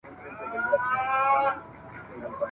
د دې پردیو له چیناره سره نه جوړیږي ..